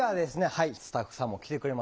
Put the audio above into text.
はいスタッフさんも来てくれました。